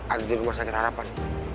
ada di rumah sakit harapan